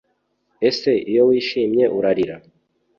Ese iyo wishimye urarira?